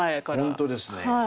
本当ですね。